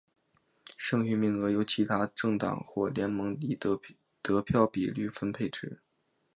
剩余名额由其他政党或联盟依得票比率分配之。